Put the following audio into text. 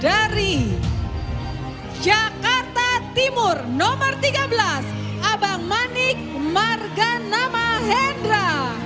dari jakarta timur nomor tiga belas abang manik marga nama hendra